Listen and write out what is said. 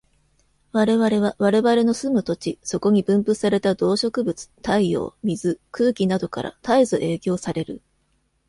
我々は我々の住む土地、そこに分布された動植物、太陽、水、空気等から絶えず影響される。